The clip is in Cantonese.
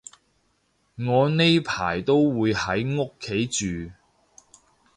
我呢排都會喺屋企住